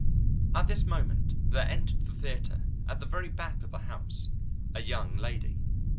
At this moment there entered the theatre, at the very back of the house, a young lady.